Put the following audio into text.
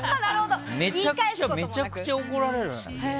めちゃくちゃ怒られるよ。